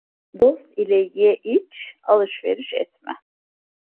Dost ile ye, iç, alışveriş etme.